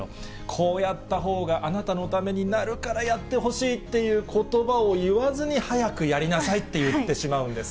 こうやったほうがあなたのためになるからやってほしいっていうことばを言わずに、早くやりなさいって言ってしまうんです。